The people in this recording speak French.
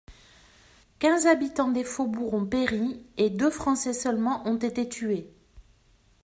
Quinze habitans des faubourgs ont péri et deux Français seulement ont été tués.